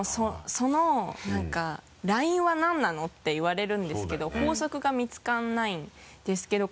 その何かラインは何なの？って言われるんですけど法則が見つからないんですけど。